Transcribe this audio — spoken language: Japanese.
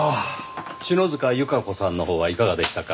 篠塚由香子さんのほうはいかがでしたか？